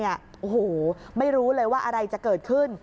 โอ้โหไม่รู้เลยว่าอะไรจะเกิดขึ้น